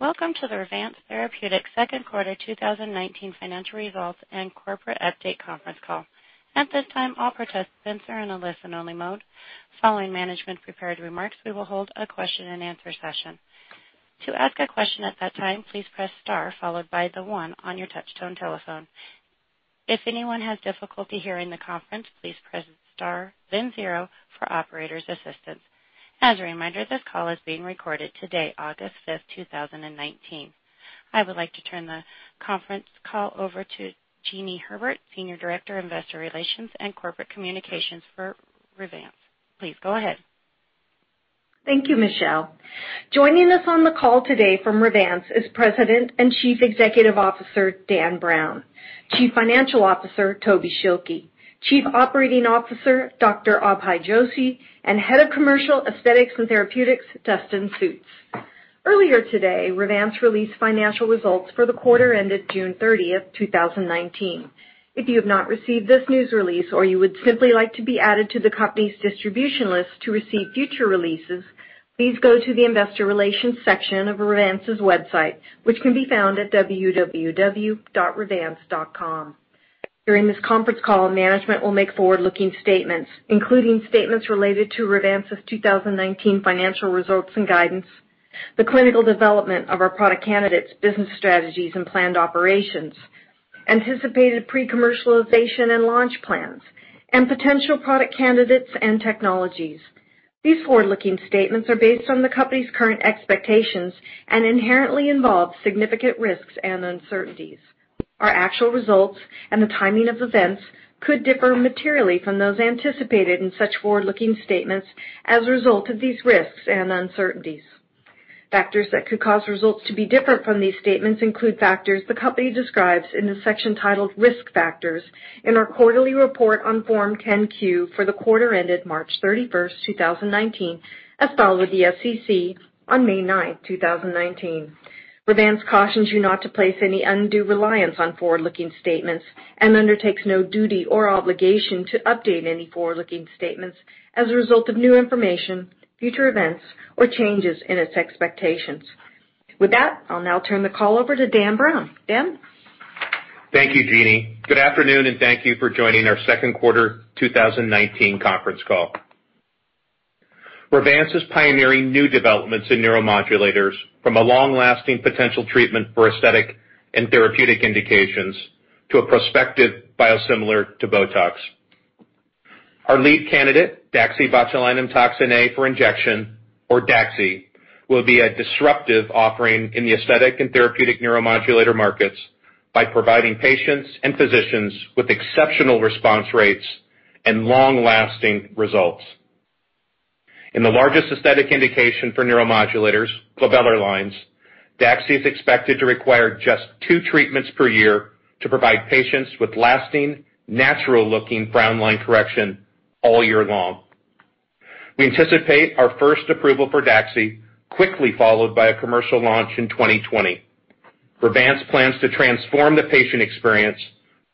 Welcome to the Revance Therapeutics second quarter 2019 financial results and corporate update conference call. At this time, all participants are in a listen-only mode. Following management prepared remarks, we will hold a question and answer session. To ask a question at that time, please press star followed by the one on your touchtone telephone. If anyone has difficulty hearing the conference, please press star then zero for operator's assistance. As a reminder, this call is being recorded today, August 5th, 2019. I would like to turn the conference call over to Jeanie Herbert, Senior Director, Investor Relations and Corporate Communications for Revance. Please go ahead. Thank you, Michelle. Joining us on the call today from Revance is President and Chief Executive Officer, Dan Browne, Chief Financial Officer, Tobin Schilke, Chief Operating Officer, Dr. Abhay Joshi, and Head of Commercial Aesthetics and Therapeutics, Dustin Sjuts. Earlier today, Revance released financial results for the quarter ended June 30, 2019. If you have not received this news release or you would simply like to be added to the company's distribution list to receive future releases, please go to the Investor Relations section of Revance's website, which can be found at www.revance.com. During this conference call, management will make forward-looking statements, including statements related to Revance's 2019 financial results and guidance, the clinical development of our product candidates, business strategies, and planned operations, anticipated pre-commercialization and launch plans, and potential product candidates and technologies. These forward-looking statements are based on the company's current expectations and inherently involve significant risks and uncertainties. Our actual results and the timing of events could differ materially from those anticipated in such forward-looking statements as a result of these risks and uncertainties. Factors that could cause results to be different from these statements include factors the company describes in the section titled Risk Factors in our quarterly report on Form 10-Q for the quarter ended March 31st, 2019, as filed with the SEC on May 9th, 2019. Revance cautions you not to place any undue reliance on forward-looking statements and undertakes no duty or obligation to update any forward-looking statements as a result of new information, future events, or changes in its expectations. With that, I'll now turn the call over to Dan Browne. Dan? Thank you, Jeanie. Good afternoon, thank you for joining our second quarter 2019 conference call. Revance is pioneering new developments in neuromodulators from a long-lasting potential treatment for aesthetic and therapeutic indications to a prospective biosimilar to BOTOX. Our lead candidate, DaxibotulinumtoxinA for injection, or DAXI, will be a disruptive offering in the aesthetic and therapeutic neuromodulator markets by providing patients and physicians with exceptional response rates and long-lasting results. In the largest aesthetic indication for neuromodulators, glabellar lines, DAXI is expected to require just two treatments per year to provide patients with lasting, natural-looking frown line correction all year long. We anticipate our first approval for DAXI quickly followed by a commercial launch in 2020. Revance plans to transform the patient experience,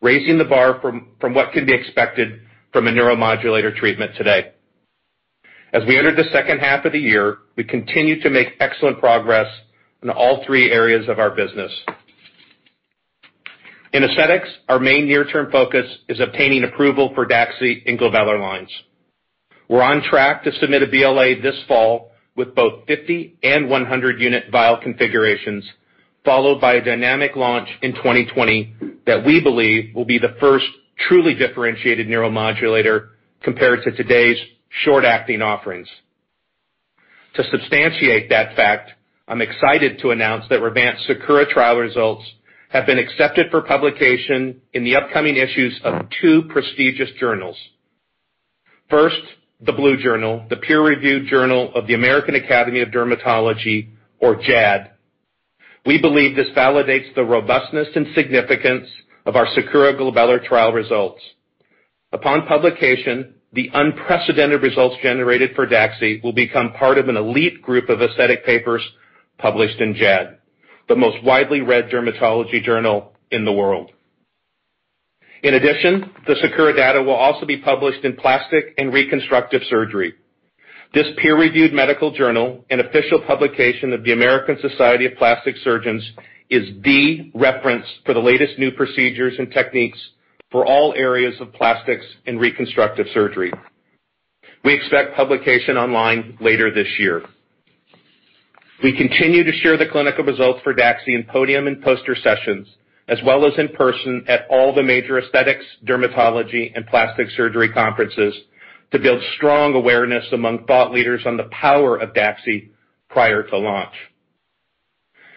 raising the bar from what can be expected from a neuromodulator treatment today. As we enter the second half of the year, we continue to make excellent progress in all three areas of our business. In aesthetics, our main near-term focus is obtaining approval for DAXI in glabellar lines. We're on track to submit a BLA this fall with both 50 and 100 unit vial configurations, followed by a dynamic launch in 2020 that we believe will be the first truly differentiated neuromodulator compared to today's short-acting offerings. To substantiate that fact, I'm excited to announce that Revance SAKURA trial results have been accepted for publication in the upcoming issues of two prestigious journals. First, the Blue Journal, the peer-reviewed journal of the American Academy of Dermatology, or JAD. We believe this validates the robustness and significance of our SAKURA glabellar trial results. Upon publication, the unprecedented results generated for DAXI will become part of an elite group of aesthetic papers published in JAD, the most widely read dermatology journal in the world. In addition, the SAKURA data will also be published in Plastic and Reconstructive Surgery. This peer-reviewed medical journal, an official publication of the American Society of Plastic Surgeons, is the reference for the latest new procedures and techniques for all areas of plastics and reconstructive surgery. We expect publication online later this year. We continue to share the clinical results for DAXI in podium and poster sessions, as well as in person at all the major aesthetics, dermatology, and plastic surgery conferences to build strong awareness among thought leaders on the power of DAXI prior to launch.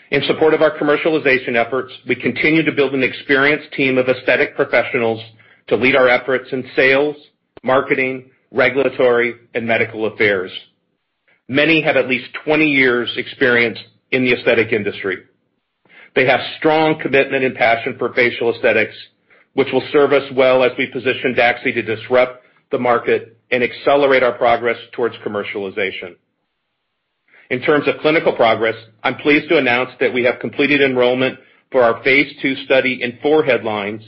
In support of our commercialization efforts, we continue to build an experienced team of aesthetic professionals to lead our efforts in sales, marketing, regulatory, and medical affairs. Many have at least 20 years experience in the aesthetic industry. They have strong commitment and passion for facial aesthetics, which will serve us well as we position DAXI to disrupt the market and accelerate our progress towards commercialization. In terms of clinical progress, I'm pleased to announce that we have completed enrollment for our phase II study in forehead lines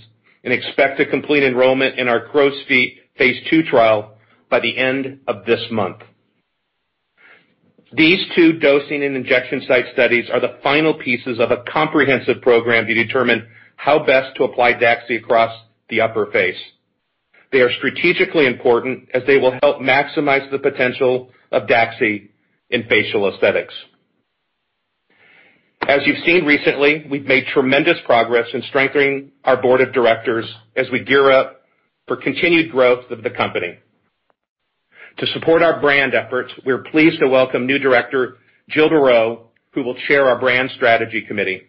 and expect to complete enrollment in our crow's feet phase II trial by the end of this month. These two dosing and injection site studies are the final pieces of a comprehensive program to determine how best to apply DAXI across the upper face. They are strategically important as they will help maximize the potential of DAXI in facial aesthetics. As you've seen recently, we've made tremendous progress in strengthening our board of directors as we gear up for continued growth of the company. To support our brand efforts, we are pleased to welcome new director, Jill Beraud, who will chair our brand strategy committee.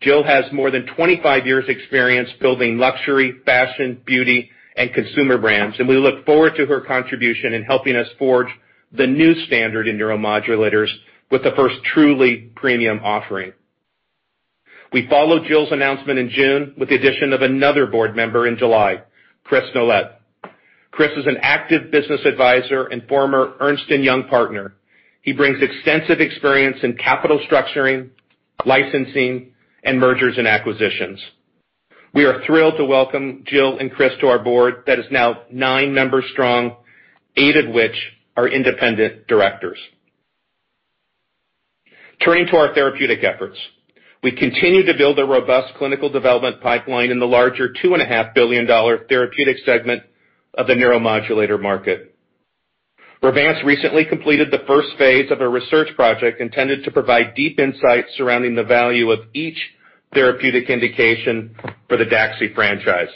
Jill has more than 25 years experience building luxury, fashion, beauty, and consumer brands, and we look forward to her contribution in helping us forge the new standard in neuromodulators with the first truly premium offering. We followed Jill's announcement in June with the addition of another board member in July, Chris Nolet. Chris is an active business advisor and former Ernst & Young partner. He brings extensive experience in capital structuring, licensing, and mergers and acquisitions. We are thrilled to welcome Jill and Chris to our board that is now nine members strong, eight of which are independent directors. Turning to our therapeutic efforts. We continue to build a robust clinical development pipeline in the larger $2.5 billion therapeutic segment of the neuromodulator market. Revance recently completed the first phase of a research project intended to provide deep insight surrounding the value of each therapeutic indication for the DAXI franchise.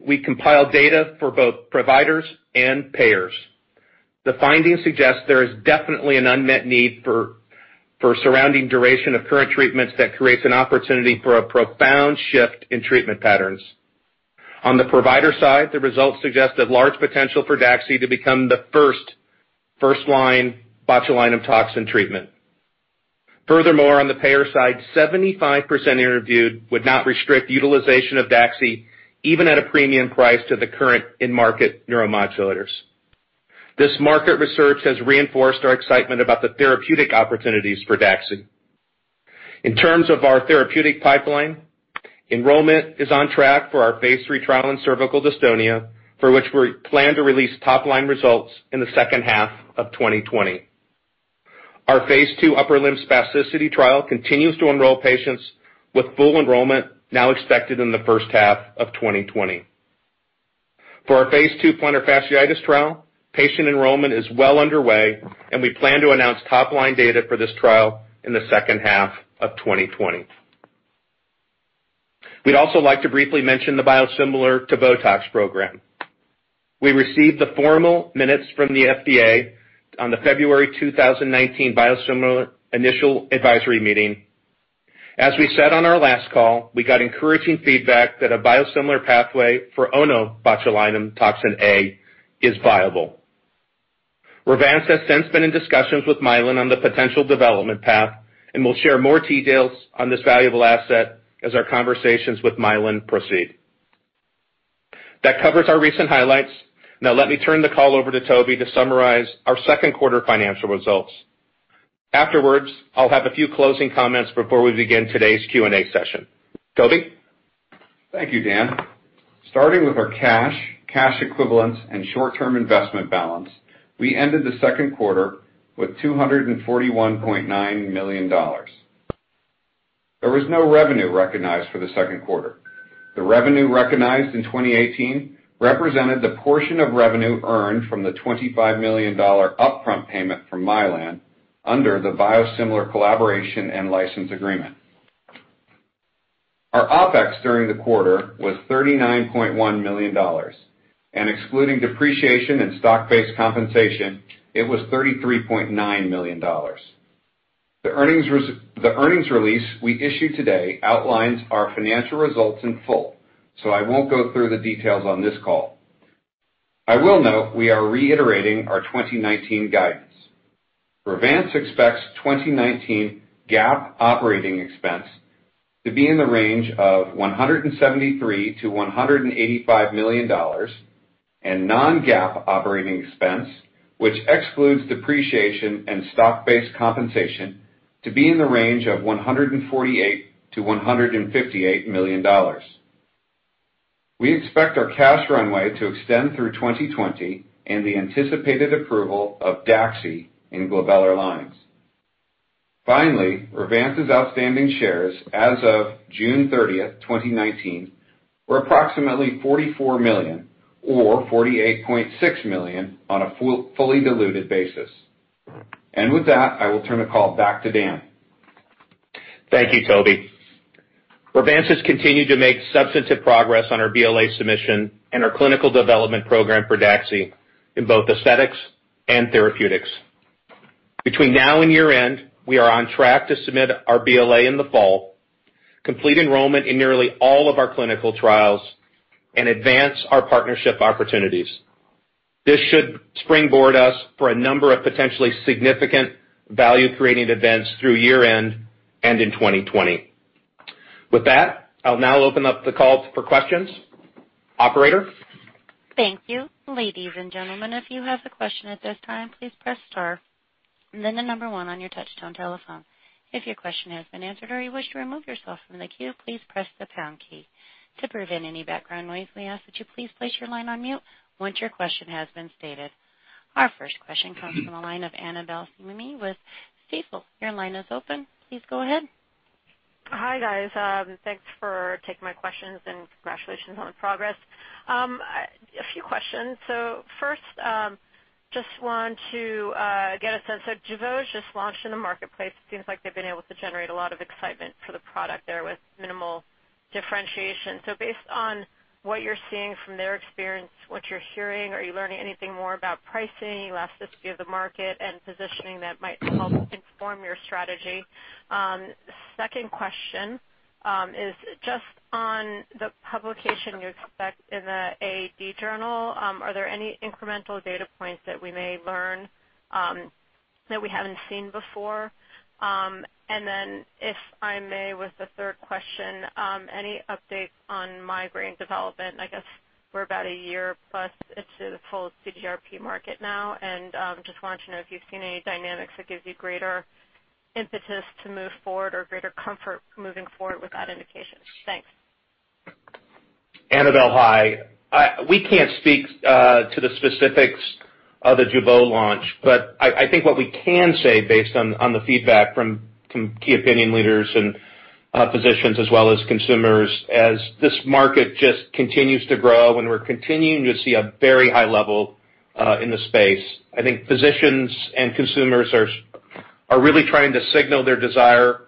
We compiled data for both providers and payers. The findings suggest there is definitely an unmet need for surrounding duration of current treatments that creates an opportunity for a profound shift in treatment patterns. On the provider side, the results suggest a large potential for DAXI to become the first-line botulinum toxin treatment. On the payer side, 75% interviewed would not restrict utilization of DAXI, even at a premium price to the current in-market neuromodulators. This market research has reinforced our excitement about the therapeutic opportunities for DAXI. In terms of our therapeutic pipeline, enrollment is on track for our phase III trial in cervical dystonia, for which we plan to release top-line results in the second half of 2020. Our phase II upper limb spasticity trial continues to enroll patients with full enrollment now expected in the first half of 2020. For our phase II plantar fasciitis trial, patient enrollment is well underway, and we plan to announce top-line data for this trial in the second half of 2020. We'd also like to briefly mention the biosimilar to BOTOX program. We received the formal minutes from the FDA on the February 2019 Biosimilar Initial Advisory meeting. As we said on our last call, we got encouraging feedback that a biosimilar pathway for onabotulinumtoxinA is viable. Revance has since been in discussions with Mylan on the potential development path. We'll share more details on this valuable asset as our conversations with Mylan proceed. That covers our recent highlights. Let me turn the call over to Toby to summarize our second quarter financial results. Afterwards, I'll have a few closing comments before we begin today's Q&A session. Toby? Thank you, Dan. Starting with our cash equivalents, and short-term investment balance, we ended the second quarter with $241.9 million. There was no revenue recognized for the second quarter. The revenue recognized in 2018 represented the portion of revenue earned from the $25 million upfront payment from Mylan under the biosimilar collaboration and license agreement. Our OPEX during the quarter was $39.1 million, and excluding depreciation and stock-based compensation, it was $33.9 million. The earnings release we issued today outlines our financial results in full, so I won't go through the details on this call. I will note we are reiterating our 2019 guidance. Revance expects 2019 GAAP operating expense to be in the range of $173 million-$185 million, and non-GAAP operating expense, which excludes depreciation and stock-based compensation, to be in the range of $148 million-$158 million. We expect our cash runway to extend through 2020 and the anticipated approval of DAXI in glabellar lines. Finally, Revance's outstanding shares as of June 30th, 2019, were approximately 44 million, or 48.6 million on a fully diluted basis. With that, I will turn the call back to Dan. Thank you, Toby. Revance has continued to make substantive progress on our BLA submission and our clinical development program for DAXI in both aesthetics and therapeutics. Between now and year-end, we are on track to submit our BLA in the fall, complete enrollment in nearly all of our clinical trials, and advance our partnership opportunities. This should springboard us for a number of potentially significant value-creating events through year-end and in 2020. With that, I'll now open up the call for questions. Operator? Thank you. Ladies and gentlemen, if you have a question at this time, please press star one. Then the number 1 on your touch-tone telephone. If your question has been answered or you wish to remove yourself from the queue, please press the pound key. To prevent any background noise, we ask that you please place your line on mute once your question has been stated. Our first question comes from the line of Annabel Samimy with Stifel. Your line is open. Please go ahead. Hi, guys. Thanks for taking my questions and congratulations on the progress. A few questions. First, just want to get a sense of, Jeuveau just launched in the marketplace. It seems like they've been able to generate a lot of excitement for the product there with minimal differentiation. Based on what you're seeing from their experience, what you're hearing, are you learning anything more about pricing, elasticity of the market, and positioning that might help inform your strategy? Second question is just on the publication you expect in the AD journal. Are there any incremental data points that we may learn that we haven't seen before? If I may, with the third question, any updates on migraine development? I guess we're about a year plus into the full CGRP market now, and just wanted to know if you've seen any dynamics that gives you greater impetus to move forward or greater comfort moving forward with that indication? Thanks. Annabel, hi. We can't speak to the specifics of the Jeuveau launch, I think what we can say based on the feedback from key opinion leaders and physicians as well as consumers, as this market just continues to grow and we're continuing to see a very high level in the space, I think physicians and consumers are really trying to signal their desire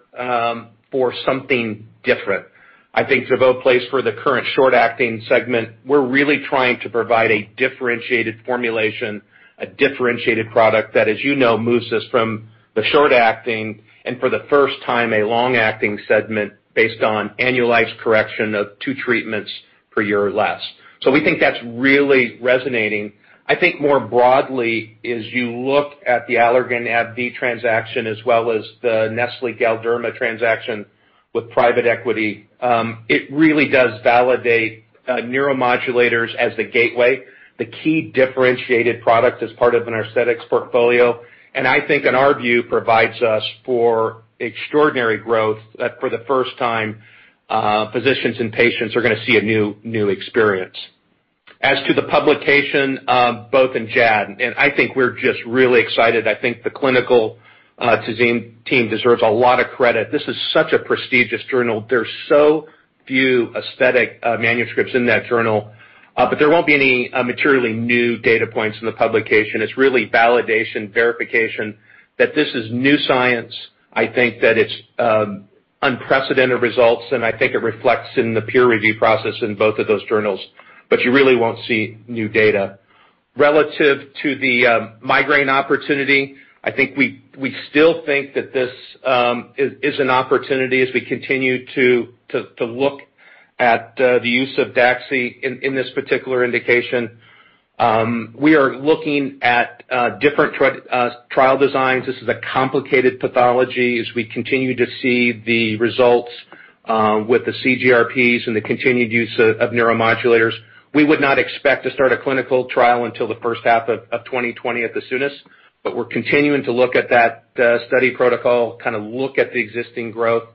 for something different. I think Jeuveau plays for the current short-acting segment. We're really trying to provide a differentiated formulation, a differentiated product that, as you know, moves us from the short-acting and for the first time, a long-acting segment based on annualized correction of two treatments per year or less. We think that's really resonating. I think more broadly, as you look at the Allergan AbbVie transaction as well as the Nestlé Galderma transaction with private equity, it really does validate neuromodulators as the gateway, the key differentiated product as part of an aesthetics portfolio, and I think in our view, provides us for extraordinary growth that for the first time, physicians and patients are going to see a new experience. As to the publication both in JAD. I think we're just really excited. I think the clinical team deserves a lot of credit. This is such a prestigious journal. There's so few aesthetic manuscripts in that journal. There won't be any materially new data points in the publication. It's really validation, verification that this is new science. I think that it's unprecedented results, and I think it reflects in the peer review process in both of those journals, but you really won't see new data. Relative to the migraine opportunity, I think we still think that this is an opportunity as we continue to look at the use of DAXI in this particular indication. We are looking at different trial designs. This is a complicated pathology. As we continue to see the results with the CGRPs and the continued use of neuromodulators, we would not expect to start a clinical trial until the first half of 2020 at the soonest. We're continuing to look at that study protocol, kind of look at the existing growth.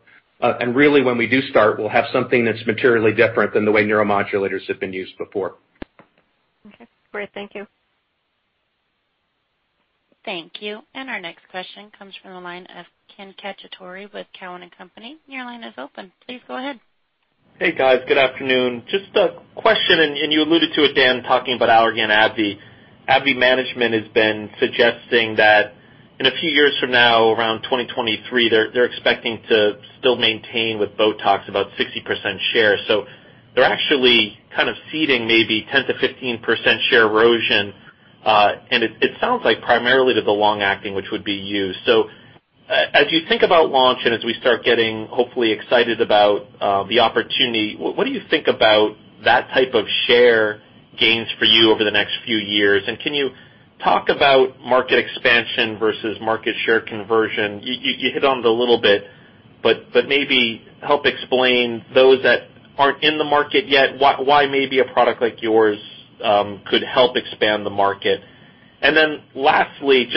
Really, when we do start, we'll have something that's materially different than the way neuromodulators have been used before. Okay, great. Thank you. Thank you. Our next question comes from the line of Ken Cacciatore with Cowen and Company. Your line is open. Please go ahead. Just a question, you alluded to it, Dan, talking about Allergan AbbVie. AbbVie management has been suggesting that in a few years from now, around 2023, they're expecting to still maintain with BOTOX about 60% share. They're actually kind of ceding maybe 10%-15% share erosion. It sounds like primarily to the long-acting, which would be you. As you think about launch and as we start getting, hopefully, excited about the opportunity, what do you think about that type of share gains for you over the next few years? Can you talk about market expansion versus market share conversion? You hit on it a little bit, but maybe help explain those that aren't in the market yet why maybe a product like yours could help expand the market. Lastly,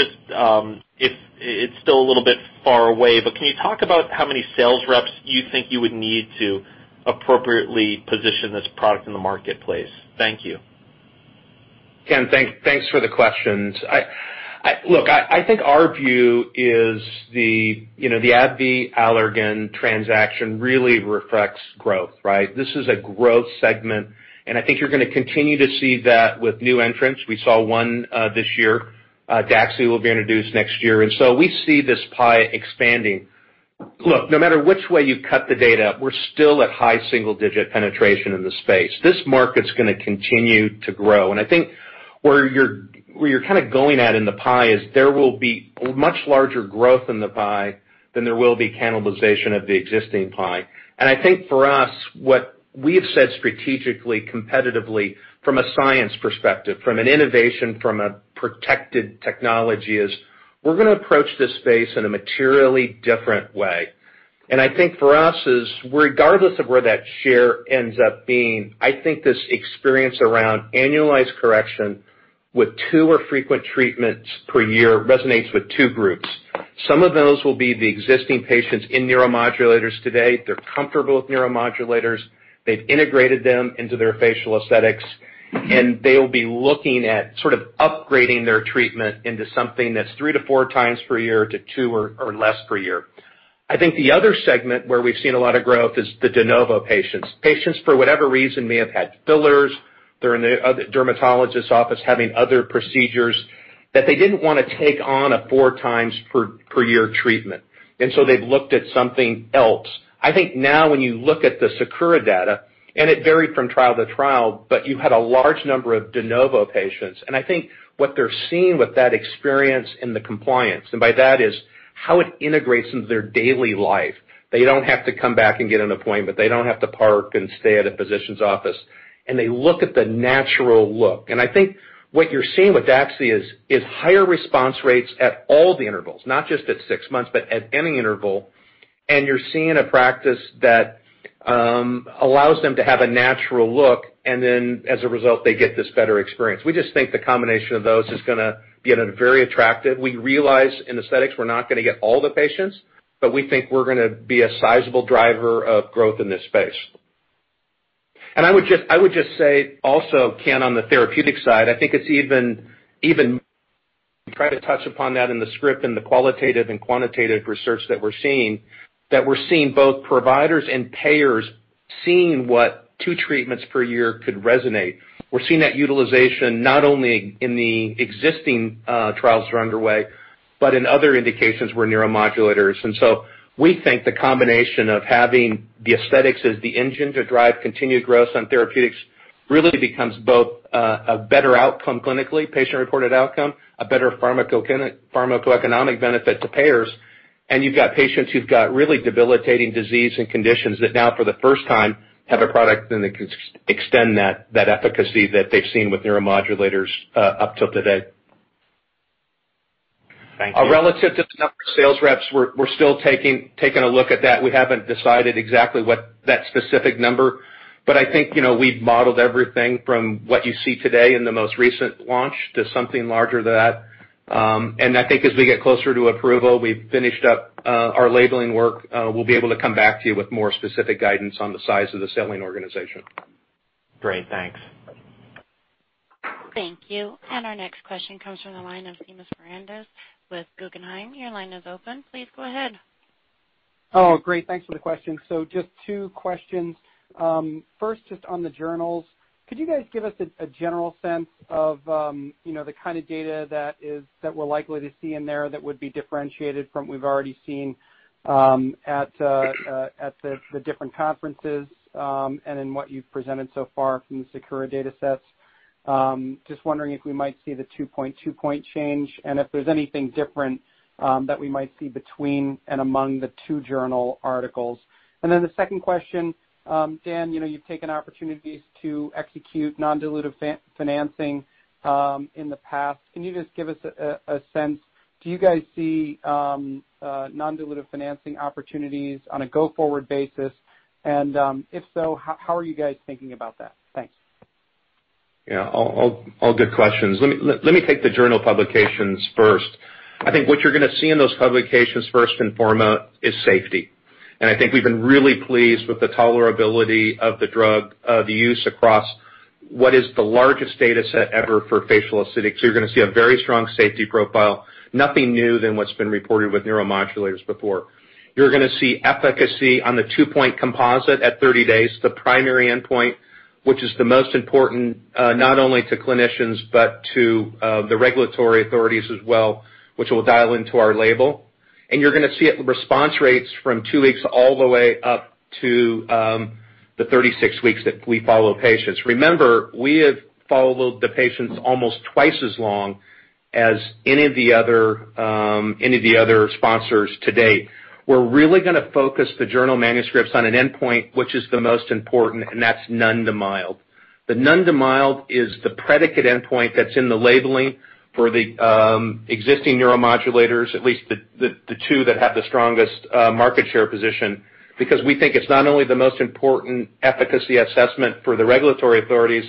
it's still a little bit far away, but can you talk about how many sales reps you think you would need to appropriately position this product in the marketplace? Thank you. Ken, thanks for the questions. Look, I think our view is the AbbVie Allergan transaction really reflects growth, right? This is a growth segment, and I think you're going to continue to see that with new entrants. We saw one this year. DAXI will be introduced next year, and so we see this pie expanding. Look, no matter which way you cut the data, we're still at high single digit penetration in the space. This market's going to continue to grow. I think where you're kind of going at in the pie is there will be much larger growth in the pie than there will be cannibalization of the existing pie. I think for us, what we have said strategically, competitively from a science perspective, from an innovation, from a protected technology is we're going to approach this space in a materially different way. I think for us is regardless of where that share ends up being, I think this experience around annualized correction with two or frequent treatments per year resonates with two groups. Some of those will be the existing patients in neuromodulators today. They're comfortable with neuromodulators. They've integrated them into their facial aesthetics, and they'll be looking at upgrading their treatment into something that's three to four times per year to two or less per year. I think the other segment where we've seen a lot of growth is the de novo patients. Patients, for whatever reason, may have had fillers. They're in a dermatologist office having other procedures that they didn't want to take on a four times per year treatment. They've looked at something else. I think now when you look at the SAKURA data, and it varied from trial to trial, but you had a large number of de novo patients, and I think what they're seeing with that experience and the compliance, and by that is how it integrates into their daily life. They don't have to come back and get an appointment. They don't have to park and stay at a physician's office. They look at the natural look. I think what you're seeing with DAXI is higher response rates at all the intervals, not just at six months, but at any interval. You're seeing a practice that allows them to have a natural look, and then as a result, they get this better experience. We just think the combination of those is going to be very attractive. We realize in aesthetics, we're not going to get all the patients, but we think we're going to be a sizable driver of growth in this space. I would just say also, Ken, on the therapeutic side, I think it's We try to touch upon that in the script and the qualitative and quantitative research that we're seeing, that we're seeing both providers and payers seeing what 2 treatments per year could resonate. We're seeing that utilization not only in the existing trials that are underway, but in other indications where neuromodulators. We think the combination of having the aesthetics as the engine to drive continued growth on therapeutics really becomes both a better outcome clinically, patient-reported outcome, a better pharmacoeconomic benefit to payers. You've got patients who've got really debilitating disease and conditions that now for the first time, have a product then that can extend that efficacy that they've seen with neuromodulators up till today. Thank you. Relative to the number of sales reps, we're still taking a look at that. We haven't decided exactly what that specific number is, I think we've modeled everything from what you see today in the most recent launch to something larger than that. I think as we get closer to approval, we've finished up our labeling work. We'll be able to come back to you with more specific guidance on the size of the selling organization. Great. Thanks. Thank you. Our next question comes from the line of Seamus Fernandez with Guggenheim. Your line is open. Please go ahead. Great. Thanks for the question. Just two questions. First, just on the journals, could you guys give us a general sense of the kind of data that we're likely to see in there that would be differentiated from what we've already seen at the different conferences, and then what you've presented so far from the SAKURA datasets? Just wondering if we might see the two point two point change, and if there's anything different that we might see between and among the two journal articles. The second question, Dan, you've taken opportunities to execute non-dilutive financing in the past. Can you just give us a sense, do you guys see non-dilutive financing opportunities on a go-forward basis? And, if so, how are you guys thinking about that? Thanks. All good questions. Let me take the journal publications first. I think what you're going to see in those publications, first and foremost, is safety. I think we've been really pleased with the tolerability of the drug, of use across what is the largest dataset ever for facial aesthetics. You're going to see a very strong safety profile, nothing new than what's been reported with neuromodulators before. You're going to see efficacy on the two-point composite at 30 days, the primary endpoint, which is the most important, not only to clinicians, but to the regulatory authorities as well, which will dial into our label. You're going to see response rates from two weeks all the way up to the 36 weeks that we follow patients. Remember, we have followed the patients almost twice as long as any of the other sponsors to date. We're really going to focus the journal manuscripts on an endpoint, which is the most important, and that's none to mild. The none to mild is the predicate endpoint that's in the labeling for the existing neuromodulators, at least the two that have the strongest market share position, because we think it's not only the most important efficacy assessment for the regulatory authorities,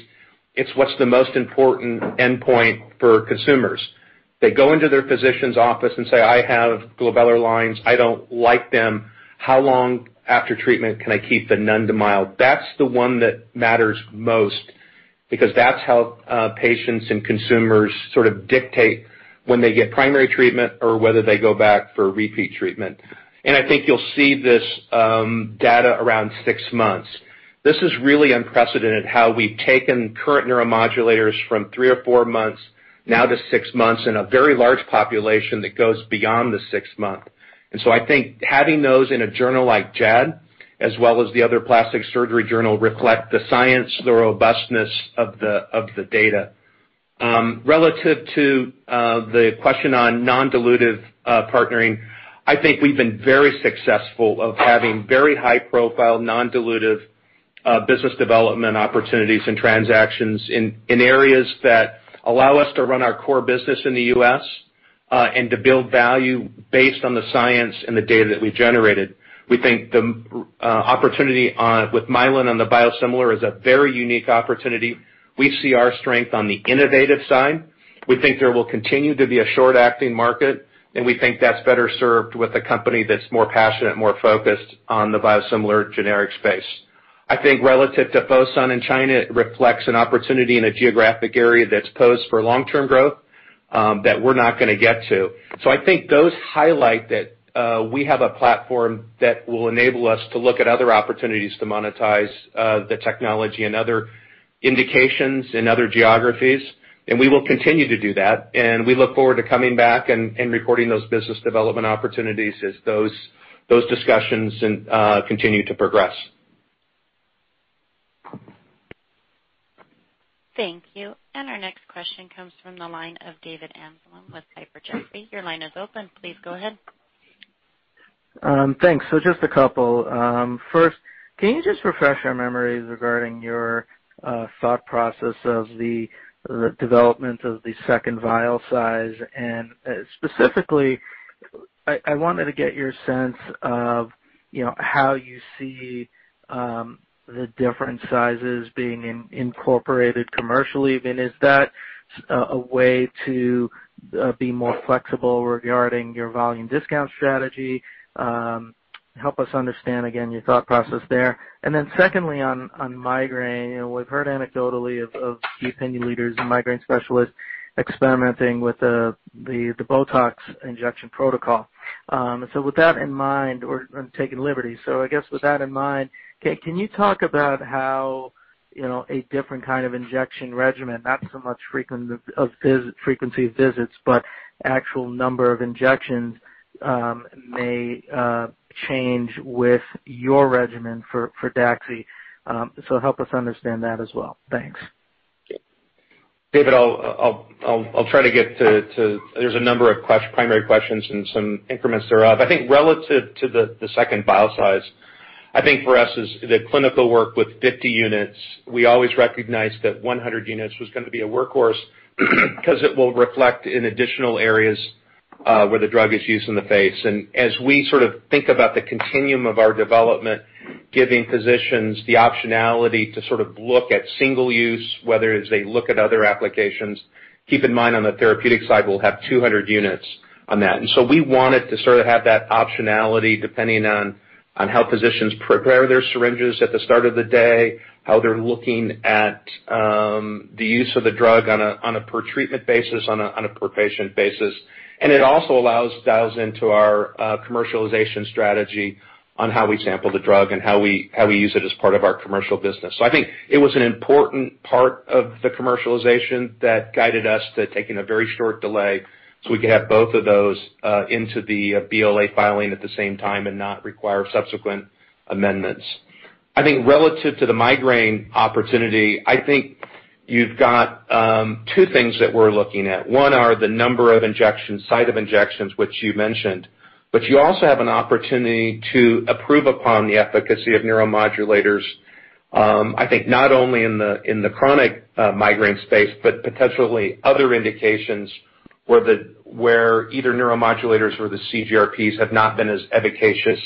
it's what's the most important endpoint for consumers. They go into their physician's office and say, "I have glabellar lines. I don't like them. How long after treatment can I keep the none to mild?" That's the one that matters most because that's how patients and consumers sort of dictate when they get primary treatment or whether they go back for repeat treatment. I think you'll see this data around six months. This is really unprecedented, how we've taken current neuromodulators from three or four months now to six months in a very large population that goes beyond the six months. I think having those in a journal like JAD, as well as the other plastic surgery journal, reflect the science, the robustness of the data. Relative to the question on non-dilutive partnering, I think we've been very successful of having very high profile, non-dilutive business development opportunities and transactions in areas that allow us to run our core business in the U.S., and to build value based on the science and the data that we've generated. We think the opportunity with Mylan on the biosimilar is a very unique opportunity. We see our strength on the innovative side. We think there will continue to be a short-acting market, and we think that's better served with a company that's more passionate, more focused on the biosimilar generic space. I think relative to Fosun in China, it reflects an opportunity in a geographic area that's posed for long-term growth, that we're not going to get to. I think those highlight that we have a platform that will enable us to look at other opportunities to monetize the technology and other indications in other geographies, and we will continue to do that. We look forward to coming back and recording those business development opportunities as those discussions continue to progress. Thank you. Our next question comes from the line of David Amsellem with Piper Jaffray. Your line is open. Please go ahead. Thanks. Just a couple. First, can you just refresh our memories regarding your thought process of the development of the second vial size? Specifically, I wanted to get your sense of how you see the different sizes being incorporated commercially. I mean, is that a way to be more flexible regarding your volume discount strategy? Help us understand again your thought process there. Secondly, on migraine, we've heard anecdotally of key opinion leaders and migraine specialists experimenting with the BOTOX injection protocol. With that in mind, or I'm taking liberty, I guess with that in mind, can you talk about how a different kind of injection regimen, not so much frequency of visits, but actual number of injections may change with your regimen for DAXI? Help us understand that as well. Thanks. David, there's a number of primary questions and some increments thereof. I think relative to the second vial size, I think for us is the clinical work with 50 units, we always recognized that 100 units was going to be a workhorse because it will reflect in additional areas where the drug is used in the face. As we sort of think about the continuum of our development, giving physicians the optionality to sort of look at single use, whether as they look at other applications. Keep in mind on the therapeutic side, we'll have 200 units on that. We wanted to sort of have that optionality depending on how physicians prepare their syringes at the start of the day, how they're looking at the use of the drug on a per treatment basis, on a per patient basis. It also allows dials into our commercialization strategy on how we sample the drug and how we use it as part of our commercial business. I think it was an important part of the commercialization that guided us to taking a very short delay so we could have both of those into the BLA filing at the same time and not require subsequent amendments. I think relative to the migraine opportunity, I think you've got two things that we're looking at. One are the number of injections, site of injections, which you mentioned. You also have an opportunity to approve upon the efficacy of neuromodulators. I think not only in the chronic migraine space, but potentially other indications where either neuromodulators or the CGRPs have not been as efficacious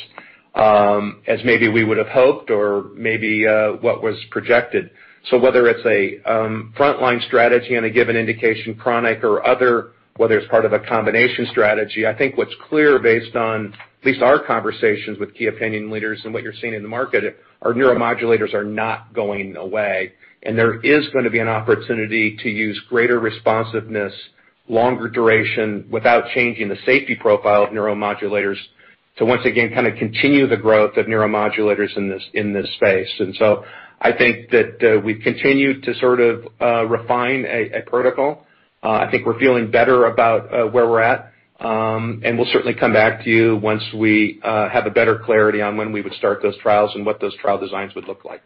as maybe we would have hoped or maybe what was projected. Whether it's a frontline strategy on a given indication, chronic or other, whether it's part of a combination strategy, I think what's clear based on at least our conversations with key opinion leaders and what you're seeing in the market, are neuromodulators are not going away, and there is going to be an opportunity to use greater responsiveness, longer duration, without changing the safety profile of neuromodulators to once again continue the growth of neuromodulators in this space. I think that we've continued to sort of refine a protocol. I think we're feeling better about where we're at. We'll certainly come back to you once we have a better clarity on when we would start those trials and what those trial designs would look like.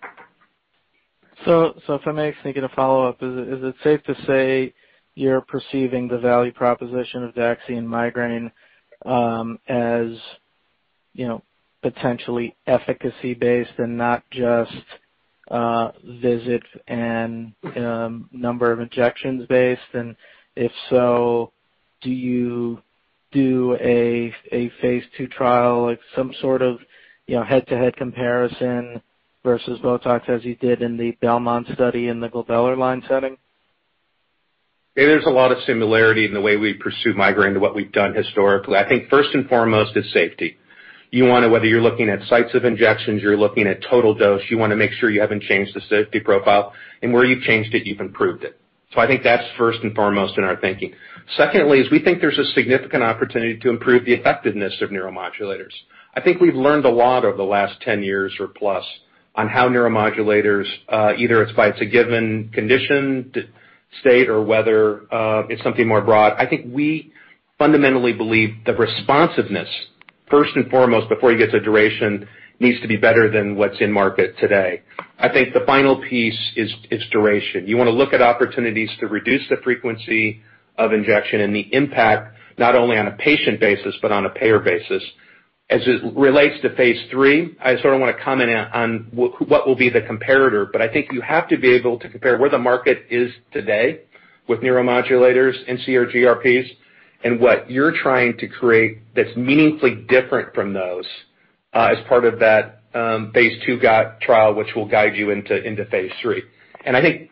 If I may, just maybe get a follow-up. Is it safe to say you're perceiving the value proposition of DAXI in migraine as potentially efficacy-based and not just visit and number of injections based? If so, do you do a phase II trial, like some sort of head-to-head comparison versus BOTOX as you did in the BELMONT study in the glabellar line setting? There's a lot of similarity in the way we pursue migraine to what we've done historically. I think first and foremost is safety. Whether you're looking at sites of injections, you're looking at total dose, you want to make sure you haven't changed the safety profile. Where you've changed it, you've improved it. I think that's first and foremost in our thinking. Secondly is we think there's a significant opportunity to improve the effectiveness of neuromodulators. I think we've learned a lot over the last 10 years or plus on how neuromodulators, either if it's a given condition state or whether it's something more broad. I think we fundamentally believe that responsiveness, first and foremost, before you get to duration, needs to be better than what's in market today. I think the final piece is duration. You want to look at opportunities to reduce the frequency of injection and the impact, not only on a patient basis, but on a payer basis. As it relates to phase III, I sort of want to comment on what will be the comparator, but I think you have to be able to compare where the market is today with neuromodulators and CGRPs, and what you're trying to create that's meaningfully different from those as part of that phase II trial, which will guide you into phase III. I think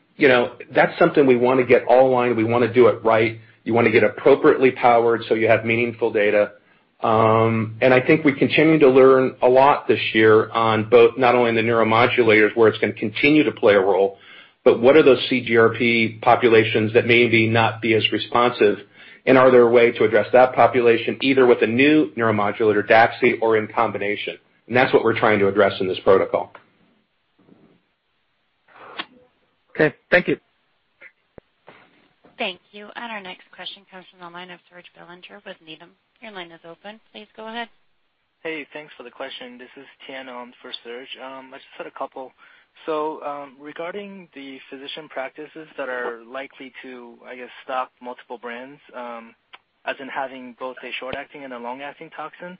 that's something we want to get all aligned. We want to do it right. You want to get appropriately powered so you have meaningful data. I think we continue to learn a lot this year on both, not only the neuromodulators, where it's going to continue to play a role, but what are those CGRP populations that may be not be as responsive, and are there a way to address that population either with a new neuromodulator, DAXI, or in combination? That's what we're trying to address in this protocol. Okay. Thank you. Thank you. Our next question comes from the line of Serge Belanger with Needham. Your line is open. Please go ahead. Hey, thanks for the question. This is Tian on for Serge. I just had a couple. Regarding the physician practices that are likely to, I guess, stock multiple brands, as in having both a short-acting and a long-acting toxin,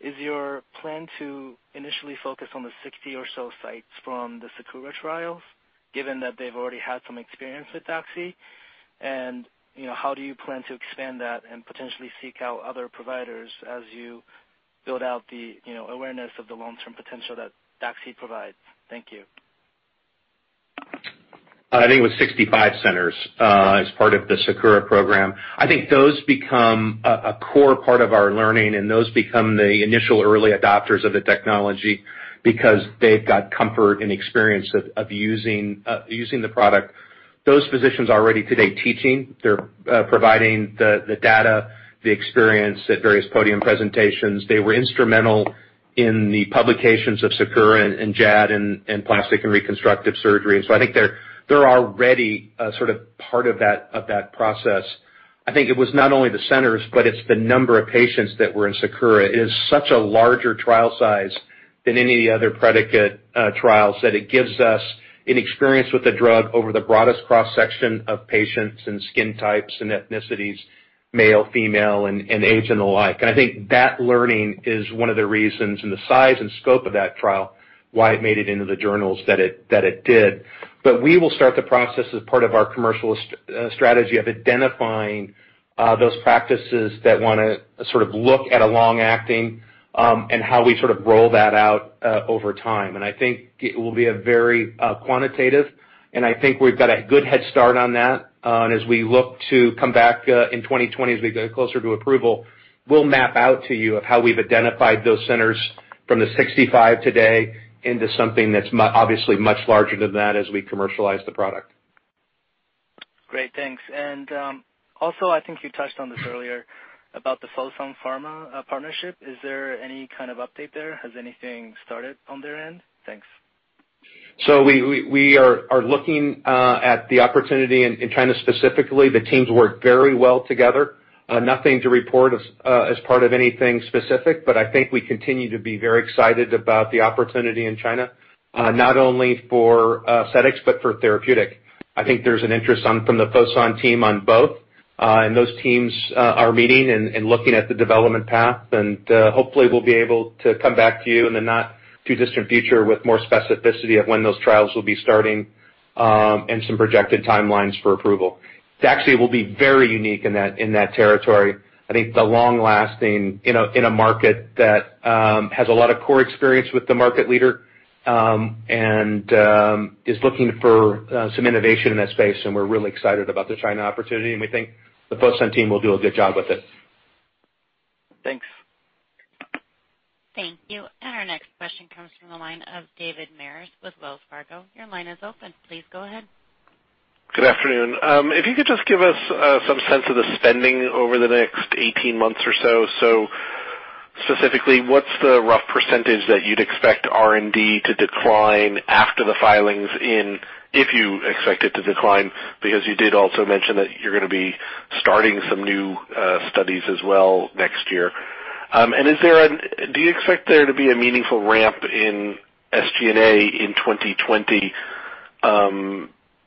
is your plan to initially focus on the 60 or so sites from the SAKURA trials, given that they've already had some experience with DAXI? How do you plan to expand that and potentially seek out other providers as you build out the awareness of the long-term potential that DAXI provides? Thank you. I think it was 65 centers as part of the SAKURA program. I think those become a core part of our learning, and those become the initial early adopters of the technology because they've got comfort and experience of using the product. Those physicians are already today teaching. They're providing the data, the experience at various podium presentations. They were instrumental in the publications of SAKURA and JAD and Plastic and Reconstructive Surgery, and so I think they're already a sort of part of that process. I think it was not only the centers, but it's the number of patients that were in SAKURA. It is such a larger trial size than any of the other predicate trials that it gives us an experience with the drug over the broadest cross-section of patients and skin types and ethnicities, male, female, and age, and the like. I think that learning is one of the reasons, and the size and scope of that trial, why it made it into the journals that it did. We will start the process as part of our commercial strategy of identifying those practices that want to sort of look at a long-acting, and how we sort of roll that out over time. I think it will be very quantitative, and I think we've got a good head start on that. As we look to come back in 2020, as we get closer to approval, we'll map out to you of how we've identified those centers from the 65 today into something that's obviously much larger than that as we commercialize the product. Great, thanks. Also, I think you touched on this earlier about the Fosun Pharma partnership. Is there any kind of update there? Has anything started on their end? Thanks. We are looking at the opportunity in China specifically. The teams work very well together. Nothing to report as part of anything specific, but I think we continue to be very excited about the opportunity in China, not only for aesthetics but for therapeutic. I think there's an interest from the Fosun team on both. Those teams are meeting and looking at the development path. Hopefully, we'll be able to come back to you in the not-too-distant future with more specificity of when those trials will be starting, and some projected timelines for approval. DAXI will be very unique in that territory. I think the long-lasting in a market that has a lot of core experience with the market leader, is looking for some innovation in that space. We're really excited about the China opportunity. We think the Fosun team will do a good job with it. Thanks. Thank you. Our next question comes from the line of David Maris with Wells Fargo. Your line is open. Please go ahead. Good afternoon. If you could just give us some sense of the spending over the next 18 months or so. Specifically, what's the rough percentage that you'd expect R&D to decline after the filings in, if you expect it to decline, because you did also mention that you're going to be starting some new studies as well next year. Do you expect there to be a meaningful ramp in SG&A in 2020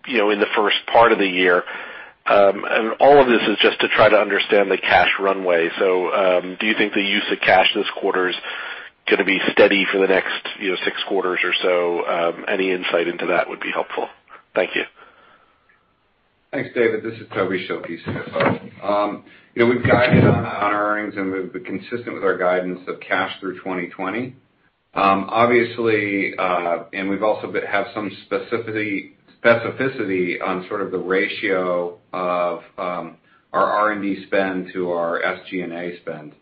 in the first part of the year? All of this is just to try to understand the cash runway. Do you think the use of cash this quarter is going to be steady for the next six quarters or so? Any insight into that would be helpful. Thank you. Thanks, David. This is Tobin Schilke, CFO. We've guided on our earnings, and we've been consistent with our guidance of cash through 2020. Obviously, we've also have some specificity on sort of the ratio of our R&D spend to our SG&A spend.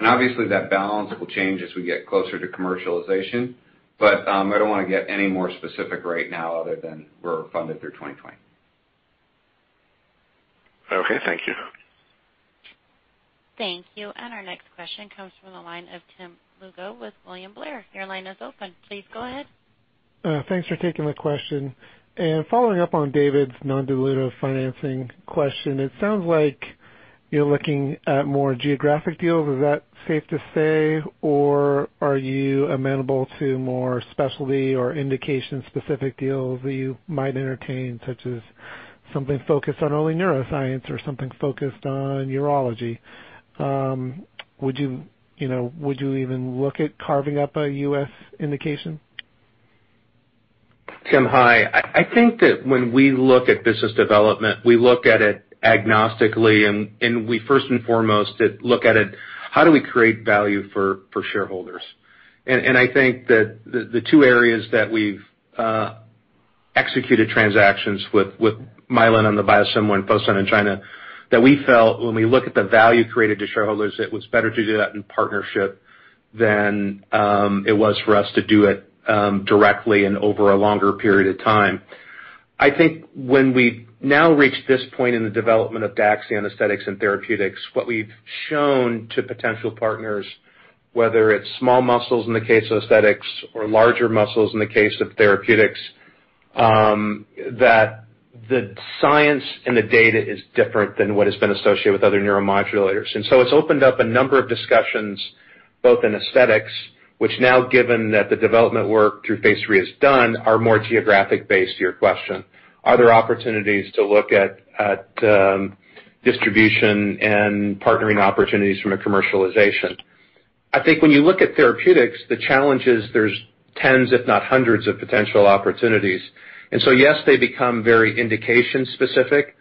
Obviously, that balance will change as we get closer to commercialization. I don't want to get any more specific right now other than we're funded through 2020. Okay, thank you. Thank you. Our next question comes from the line of Tim Lugo with William Blair. Your line is open. Please go ahead. Thanks for taking the question. Following up on David's non-dilutive financing question, it sounds like you're looking at more geographic deals. Is that safe to say, or are you amenable to more specialty or indication-specific deals that you might entertain, such as something focused on only neuroscience or something focused on urology? Would you even look at carving up a U.S. indication? Tim, hi. I think that when we look at business development, we look at it agnostically, we first and foremost look at it, how do we create value for shareholders? I think that the two areas that we've executed transactions with Mylan on the biosimilar and Fosun in China, that we felt when we look at the value created to shareholders, it was better to do that in partnership than it was for us to do it directly and over a longer period of time. I think when we now reach this point in the development of DAXI aesthetics and therapeutics, what we've shown to potential partners, whether it's small muscles in the case of aesthetics or larger muscles in the case of therapeutics, that the science and the data is different than what has been associated with other neuromodulators. It's opened up a number of discussions, both in aesthetics, which now given that the development work through phase III is done, are more geographic based to your question. Are there opportunities to look at distribution and partnering opportunities from a commercialization? I think when you look at therapeutics, the challenge is there's tens, if not hundreds of potential opportunities. Yes, they become very indication specific.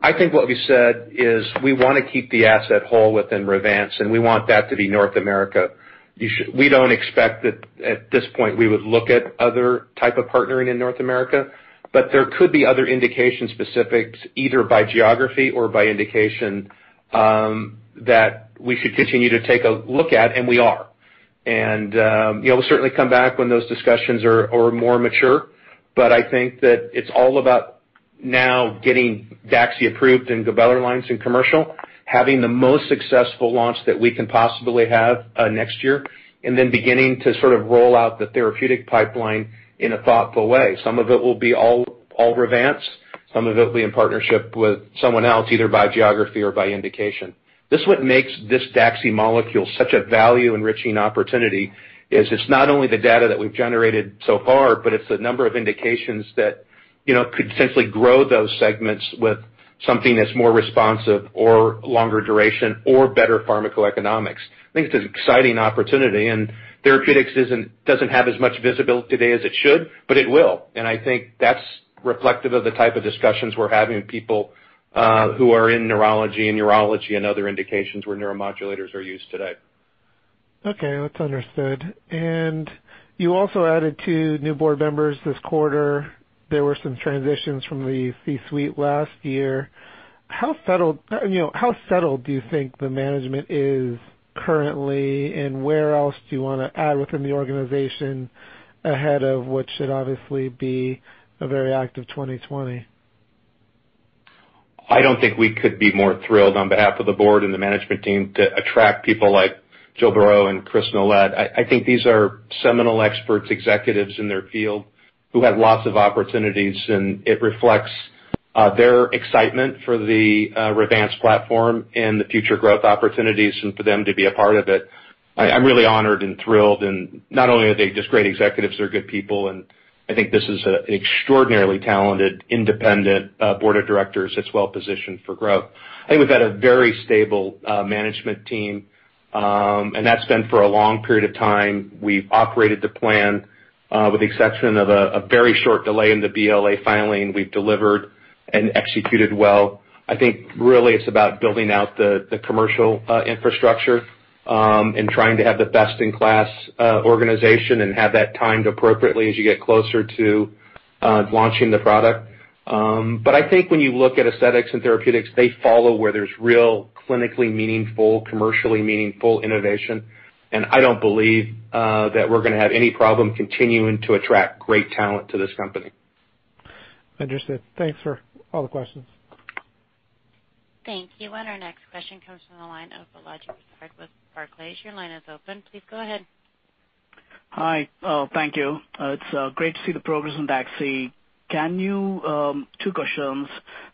I think what we said is we want to keep the asset whole within Revance, and we want that to be North America. We don't expect that at this point we would look at other type of partnering in North America. There could be other indication specifics, either by geography or by indication, that we should continue to take a look at, and we are. We'll certainly come back when those discussions are more mature. I think that it's all about now getting DAXI approved and glabellar lines in commercial, having the most successful launch that we can possibly have next year, and then beginning to sort of roll out the therapeutic pipeline in a thoughtful way. Some of it will be all Revance. Some of it will be in partnership with someone else, either by geography or by indication. This is what makes this DAXI molecule such a value enriching opportunity, is it's not only the data that we've generated so far, but it's the number of indications that could potentially grow those segments with something that's more responsive or longer duration or better pharmacoeconomics. I think it's an exciting opportunity. Therapeutics doesn't have as much visibility today as it should, but it will. I think that's reflective of the type of discussions we're having with people who are in neurology and urology and other indications where neuromodulators are used today. Okay. That's understood. You also added two new board members this quarter. There were some transitions from the C-suite last year. How settled do you think the management is currently, and where else do you want to add within the organization ahead of what should obviously be a very active 2020? I don't think we could be more thrilled on behalf of the board and the management team to attract people like Jill Beraud and Chris Nolet. I think these are seminal experts, executives in their field who have lots of opportunities, and it reflects their excitement for the Revance platform and the future growth opportunities and for them to be a part of it. I'm really honored and thrilled, and not only are they just great executives, they're good people, and I think this is an extraordinarily talented, independent board of directors that's well-positioned for growth. I think we've had a very stable management team, and that's been for a long period of time. We've operated the plan, with the exception of a very short delay in the BLA filing. We've delivered and executed well. I think really it's about building out the commercial infrastructure, and trying to have the best in class organization and have that timed appropriately as you get closer to launching the product. I think when you look at aesthetics and therapeutics, they follow where there's real clinically meaningful, commercially meaningful innovation, and I don't believe that we're going to have any problem continuing to attract great talent to this company. Understood. Thanks for all the questions. Thank you. Our next question comes from the line of Balaji Prasad with Barclays. Your line is open. Please go ahead. Hi. Thank you. It's great to see the progress on DAXI. Two questions.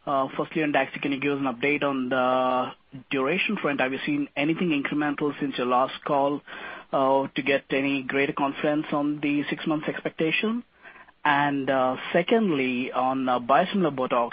Firstly on DAXI, can you give us an update on the duration front? Have you seen anything incremental since your last call, to get any greater confidence on the six months expectation? Secondly, on biosimilar BOTOX,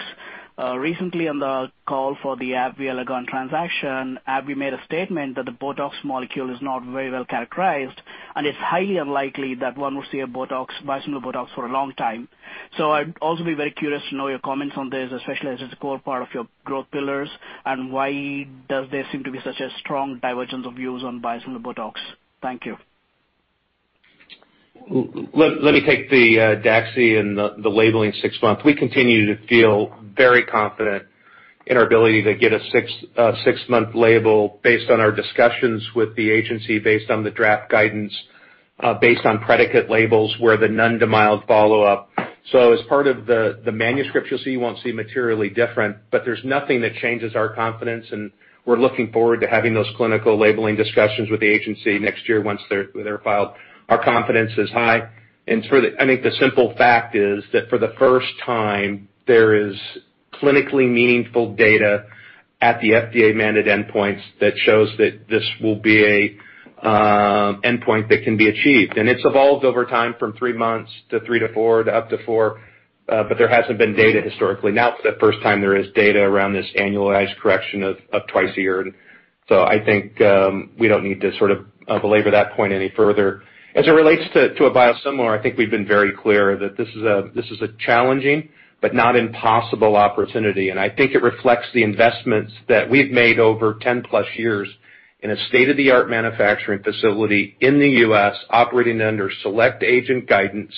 recently on the call for the AbbVie, Allergan transaction, AbbVie made a statement that the BOTOX molecule is not very well characterized, and it's highly unlikely that one will see a biosimilar BOTOX for a long time. I'd also be very curious to know your comments on this, especially as it's a core part of your growth pillars, and why does there seem to be such a strong divergence of views on biosimilar BOTOX? Thank you. Let me take the DAXI and the six-month labeling. We continue to feel very confident in our ability to get a six-month label based on our discussions with the agency, based on the draft guidance, based on predicate labels where the none to mild follow-up. As part of the manuscript, you won't see materially different, but there's nothing that changes our confidence, and we're looking forward to having those clinical labeling discussions with the agency next year once they're filed. Our confidence is high, and I think the simple fact is that for the first time, there is clinically meaningful data at the FDA mandated endpoints that shows that this will be an endpoint that can be achieved. It's evolved over time from three months to three to four to up to four. There hasn't been data historically. It's the first time there is data around this annualized correction of twice a year. I think we don't need to belabor that point any further. As it relates to a biosimilar, I think we've been very clear that this is a challenging but not impossible opportunity, and I think it reflects the investments that we've made over 10+ years in a state-of-the-art manufacturing facility in the U.S. operating under select agent guidance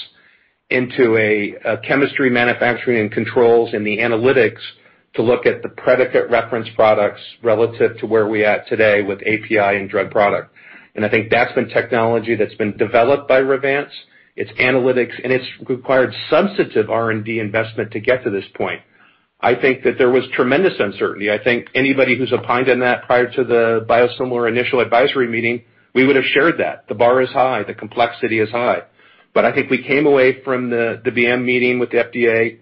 into a chemistry manufacturing and controls in the analytics to look at the predicate reference products relative to where we at today with API and drug product. I think that's been technology that's been developed by Revance, its analytics, and it's required substantive R&D investment to get to this point. I think that there was tremendous uncertainty. I think anybody who's opined in that prior to the Biosimilar Initial Advisory meeting, we would have shared that. The bar is high. The complexity is high. I think we came away from the BM Meeting with the FDA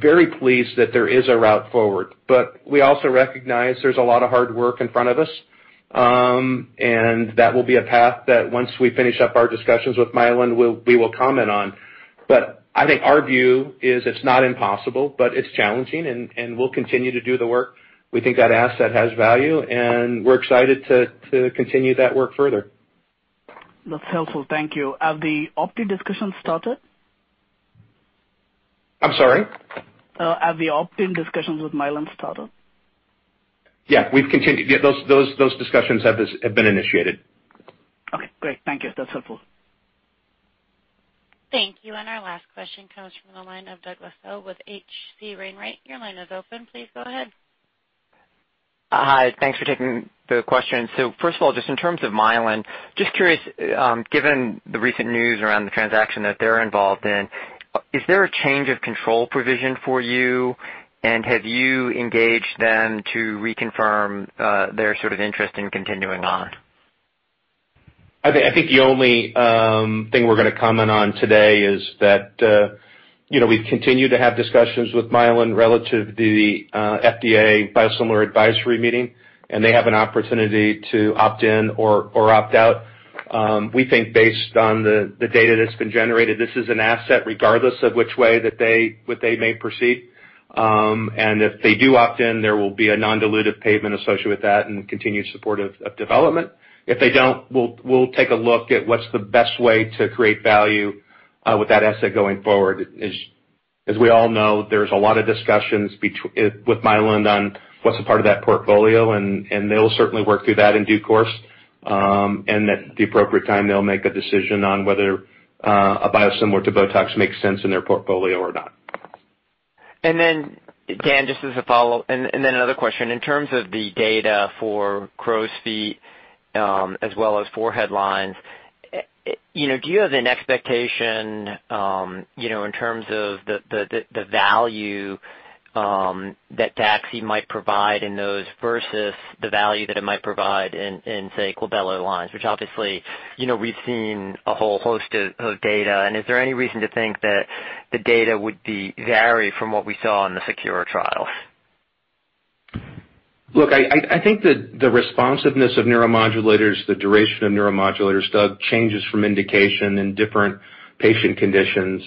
very pleased that there is a route forward. We also recognize there's a lot of hard work in front of us, and that will be a path that once we finish up our discussions with Mylan, we will comment on. I think our view is it's not impossible, but it's challenging, and we'll continue to do the work. We think that asset has value, and we're excited to continue that work further. That's helpful. Thank you. Have the opt-in discussions started? I'm sorry? Have the opt-in discussions with Mylan started? Yeah, we've continued. Those discussions have been initiated. Okay, great. Thank you. That's helpful. Thank you. Our last question comes from the line of Douglas Tsao with H.C. Wainwright. Your line is open. Please go ahead. Hi. Thanks for taking the question. First of all, just in terms of Mylan, just curious, given the recent news around the transaction that they're involved in, is there a change of control provision for you, and have you engaged them to reconfirm their sort of interest in continuing on? I think the only thing we're going to comment on today is that we've continued to have discussions with Mylan relative to the FDA Biosimilar Initial Advisory meeting, and they have an opportunity to opt in or opt out. We think based on the data that's been generated, this is an asset regardless of which way that they may proceed. If they do opt-in, there will be a non-dilutive payment associated with that and continued support of development. If they don't, we'll take a look at what's the best way to create value with that asset going forward. As we all know, there's a lot of discussions with Mylan on what's a part of that portfolio, and they will certainly work through that in due course. At the appropriate time, they'll make a decision on whether a biosimilar to BOTOX makes sense in their portfolio or not. Then Dan, just as a follow-up, and then another question. In terms of the data for crow's feet as well as forehead lines, do you have an expectation in terms of the value that DAXI might provide in those versus the value that it might provide in, say, glabellar lines, which obviously we've seen a whole host of data, and is there any reason to think that the data would vary from what we saw in the SAKURA trials? Look, I think that the responsiveness of neuromodulators, the duration of neuromodulators, Doug, changes from indication in different patient conditions.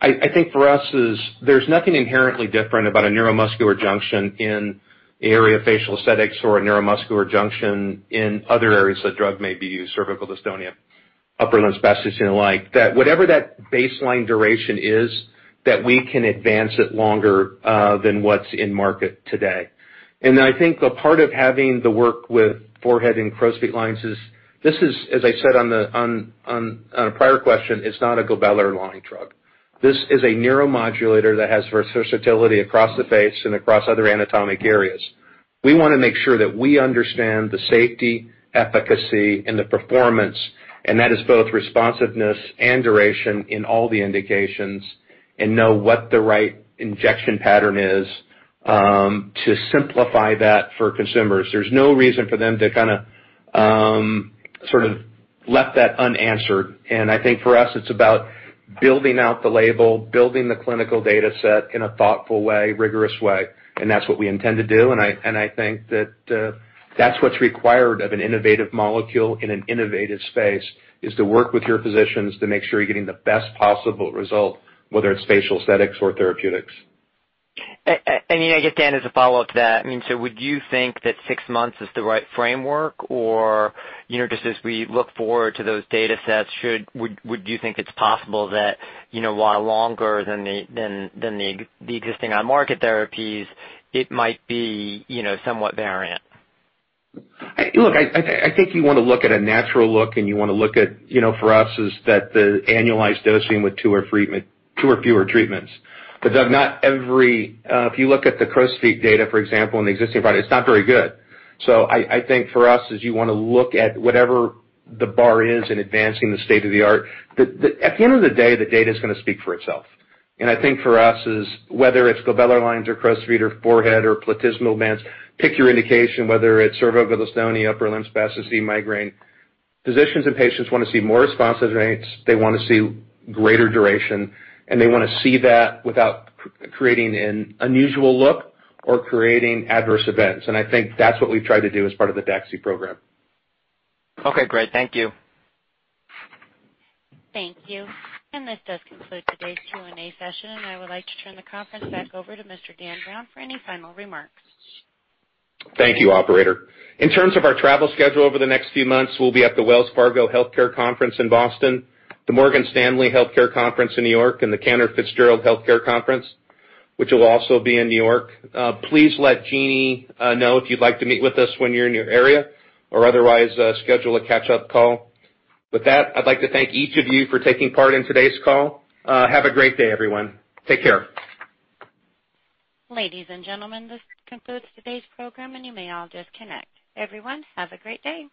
I think for us is there's nothing inherently different about a neuromuscular junction in the area of facial aesthetics or a neuromuscular junction in other areas that drug may be used, cervical dystonia, upper limb spasticity, and the like. That whatever that baseline duration is, that we can advance it longer than what's in market today. Then I think a part of having the work with forehead and crow's feet lines is this is, as I said on a prior question, it's not a glabellar line drug. This is a neuromodulator that has versatility across the face and across other anatomic areas. We want to make sure that we understand the safety, efficacy, and the performance, and that is both responsiveness and duration in all the indications and know what the right injection pattern is to simplify that for consumers. There's no reason for them to kind of sort of left that unanswered. I think for us, it's about building out the label, building the clinical data set in a thoughtful way, rigorous way, and that's what we intend to do. I think that that's what's required of an innovative molecule in an innovative space is to work with your physicians to make sure you're getting the best possible result, whether it's facial aesthetics or therapeutics. I guess, Dan, as a follow-up to that, would you think that six months is the right framework, or just as we look forward to those data sets, do you think it's possible that while longer than the existing on-market therapies, it might be somewhat variant? Look, I think you want to look at a natural look, and you want to look at, for us, is that the annualized dosing with two or fewer treatments. Doug, if you look at the crow's feet data, for example, in the existing product, it's not very good. I think for us is you want to look at whatever the bar is in advancing the state of the art. At the end of the day, the data is going to speak for itself. I think for us is whether it's glabellar lines or crow's feet or forehead or platysmal bands, pick your indication, whether it's cervical dystonia, upper limb spasticity, migraine. Physicians and patients want to see more response rates. They want to see greater duration, and they want to see that without creating an unusual look or creating adverse events. I think that's what we've tried to do as part of the DAXI program. Okay, great. Thank you. Thank you. This does conclude today's Q&A session. I would like to turn the conference back over to Mr. Dan Browne for any final remarks. Thank you, operator. In terms of our travel schedule over the next few months, we'll be at the Wells Fargo Healthcare Conference in Boston, the Morgan Stanley Healthcare Conference in New York, and the Cantor Fitzgerald Healthcare Conference, which will also be in New York. Please let Jeanie know if you'd like to meet with us when you're in your area or otherwise schedule a catch-up call. With that, I'd like to thank each of you for taking part in today's call. Have a great day, everyone. Take care. Ladies and gentlemen, this concludes today's program, and you may all disconnect. Everyone, have a great day.